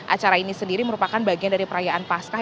acara ini sendiri merupakan bagian dari perayaan pascah